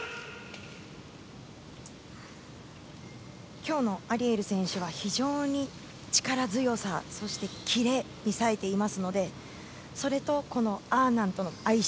今日のアリエル選手は非常に、力強さそしてキレに冴えていますのでそれと、アーナンとの相性